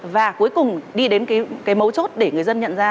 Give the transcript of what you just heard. và cuối cùng đi đến cái mấu chốt để người dân nhận ra